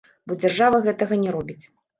Бо дзяржава гэтага не робіць.